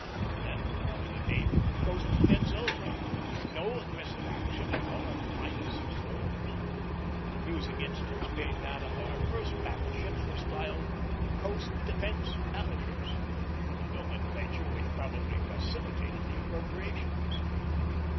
Then we wanted a navy for coast defence only, no aggressive action in our pious souls; an amusing instance being that our first battle ships were styled "coast defence" battle ships, a nomenclature which probably facilitated the appropriations.